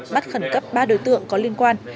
bắt khẩn cấp ba đối tượng có liên quan